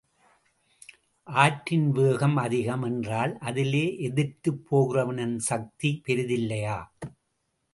ஆற்றின் வேகம் அதிகம் என்றால், அதிலே எதிர்த்துப் போகிறவனின் சக்தி பெரிதில்லையா?